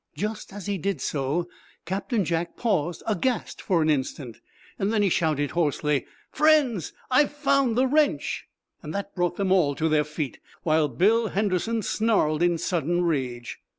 Just as he did so, Captain Jack paused aghast, for an instant. Then he shouted hoarsely: "Friends, I've found the wrench!" That brought them all to their feet, while Bill Henderson snarled in sudden rage.